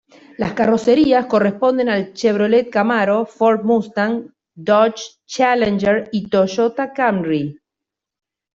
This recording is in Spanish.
Las carrocerías corresponden al Chevrolet Camaro, Ford Mustang, Dodge Challenger y Toyota Camry.